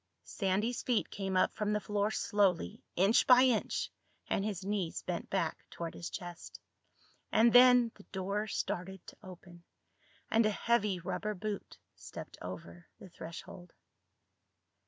Sandy's feet came up from the floor slowly, inch by inch, and his knees bent back toward his chest. And then the door started to open, and a heavy rubber boot stepped over the threshold.